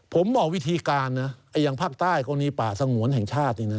ผมบอกวิธีการนะไออย่างภาคใต้ก็มีป่าสงวนแห่งชาติเนี่ยนะ